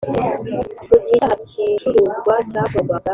mu gihe icyaha cy icuruzwa cyakorwaga